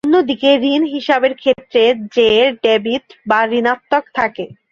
অন্যদিকে ঋণ হিসাবের ক্ষেত্রে জের ডেবিট বা ঋণাত্মক থাকে।